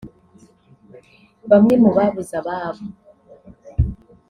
Bamwe mu babuze ababo